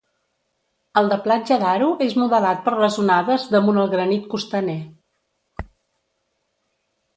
El de Platja d'Aro és modelat per les onades damunt el granit costaner.